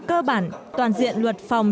cơ bản toàn diện luật phòng